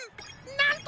なんと！？